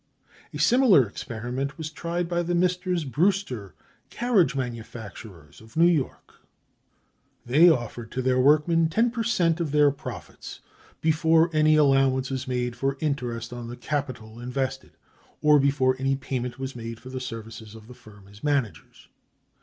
A similar experiment was tried by the Messrs. Brewster, carriage manufacturers, of New York. They offered to their workmen ten per cent of their profits, before any allowance was made for interest on the capital invested, or before any payment was made for the services of the firm as managers.